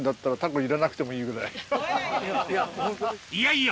いやいや！